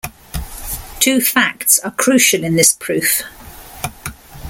Two facts are crucial in this proof.